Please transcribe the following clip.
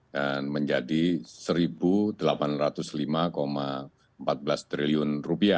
dan menjadi rp satu delapan ratus lima empat belas triliun